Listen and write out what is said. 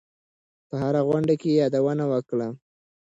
په هره غونډه کې یې یادونه وکړو.